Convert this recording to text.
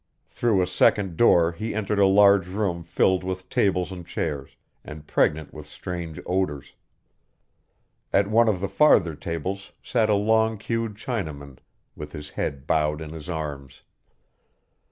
Through a second door he entered a large room filled with tables and chairs, and pregnant with strange odors. At one of the farther tables sat a long queued Chinaman with his head bowed in his arms.